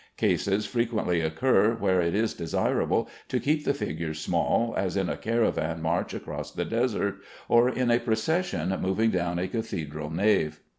Cases frequently occur where it is desirable to keep the figures small, as in a caravan march across the desert, or in a procession moving down a cathedral nave.